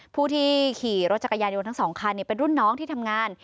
ผู้ที่ขี่รถจักรยานยนต์ทั้งสองคันเป็นรุ่นน้องที่ทำงาน